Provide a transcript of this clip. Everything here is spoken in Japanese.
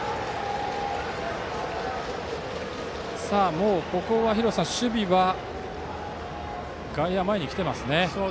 もう、ここは守備は外野は前に来ていますね。